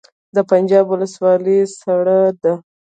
د پنجاب ولسوالۍ سړه ده